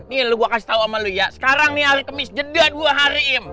nih lu gue kasih tau sama lu ya sekarang nih hari kemis jeda dua hari im